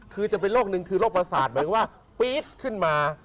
คือจะเป็นโรคนึงคือโรคประสาทหมายถึงว่าปี๊ดขึ้นมา